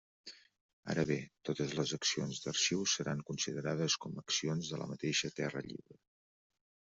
Ara bé, totes les accions d'Arxiu seran considerades com accions de la mateixa Terra Lliure.